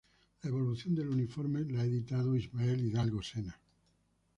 La evolución del uniforme la ha editado Ismael Hidalgo Sena.